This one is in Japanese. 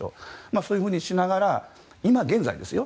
そういうふうにしながら今現在ですよ。